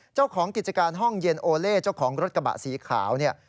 เจ้าของกิจการห้องเย็นโอเล่เจ้าของรถกระบะสีขาวเนี่ย